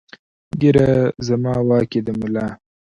ږېره زما واک ېې د ملا